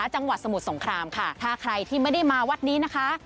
จังหวัดสมุทรสงครามค่ะถ้าใครที่ไม่ได้มาวัดนี้นะคะ